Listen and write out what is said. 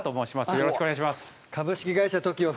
よろしくお願いします。